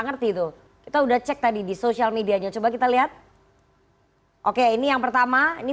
ngerti itu kita udah cek tadi di sosial medianya coba kita lihat oke ini yang pertama ini